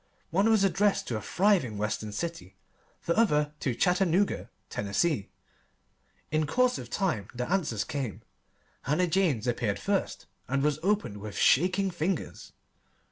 One was addressed to a thriving Western city, the other to Chattanooga, Tennessee. In course of time the answers came. Hannah Jane's appeared first, and was opened with shaking fingers.